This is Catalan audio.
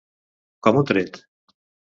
Com un tret.